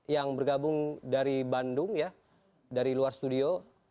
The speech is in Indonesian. yang bergabung dari bandung ya dari luar studio